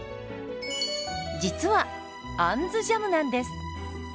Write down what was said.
実は「あんずジャム」なんです。